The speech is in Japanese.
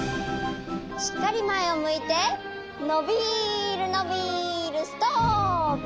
しっかりまえをむいてのびるのびるストップ！